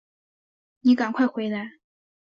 妳赶快回来